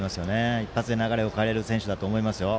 一発で流れを変えれる選手だと思いますよ。